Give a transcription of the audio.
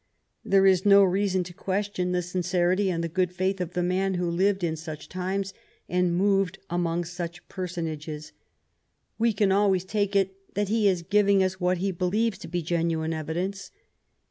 There is no reason to question the sincerity and the good faith of the man who lived in such times and moved among such personages. We can always take it that he is giving us what he believes to be genuine evidence.